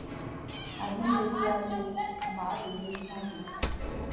Ane me byalé, ma he yen nale,